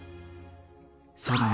そうだね。